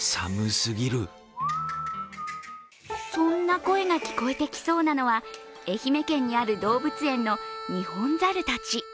そんな声が聞こえてきそうなのは、愛媛県にある動物園のニホンザルたち。